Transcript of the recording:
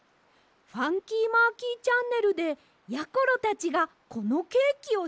「ファンキーマーキーチャンネル」でやころたちがこのケーキをしょうかいするんです！